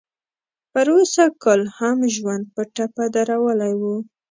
پروسږ کال هم ژوند په ټپه درولی و.